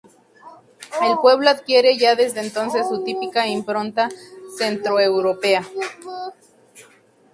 El pueblo adquiere ya desde entonces su típica impronta centroeuropea.